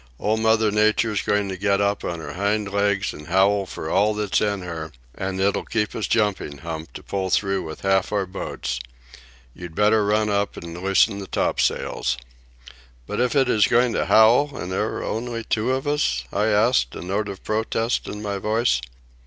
"Old Mother Nature's going to get up on her hind legs and howl for all that's in her, and it'll keep us jumping, Hump, to pull through with half our boats. You'd better run up and loosen the topsails." "But if it is going to howl, and there are only two of us?" I asked, a note of protest in my voice.